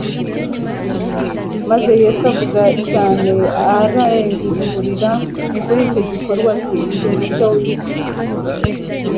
maze Yesu avuga cyane arengurira kuri icyo gikorwa ati : "Ndi umucyo w'isi"